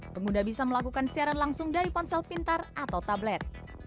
pengguna bisa melakukan siaran langsung dari ponsel pintar atau tablet